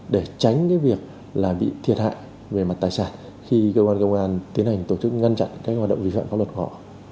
để tránh cái việc là bị thiệt hại về mặt tài sản khi cơ quan công an tiến hành tổ chức ngăn chặn các hoạt động vi phạm pháp luật của họ